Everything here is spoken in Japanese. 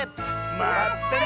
まったね！